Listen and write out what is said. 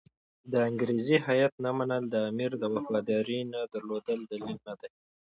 د انګریزي هیات نه منل د امیر د وفادارۍ نه درلودلو دلیل نه دی.